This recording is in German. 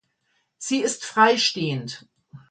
Sie ist freistehend.